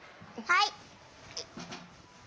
はい！